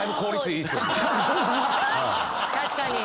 確かに。